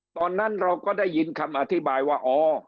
ตอนนั้นเราก็ได้ยินคำอธิบายว่าอ๋อ